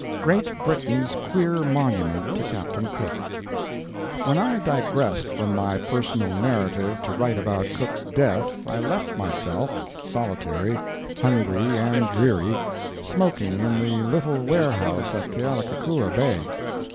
1866 GREAT BRITAIN'S QUEER MONUMENT TO CAPTAIN COOK When I digressed from my personal narrative to write about Cook's death I left myself, solitary, hungry and dreary, smoking in the little warehouse at Kealakekua Bay.